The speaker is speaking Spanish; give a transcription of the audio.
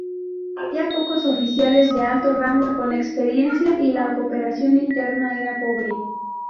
Había pocos oficiales de alto rango con experiencia y la cooperación interna era pobre.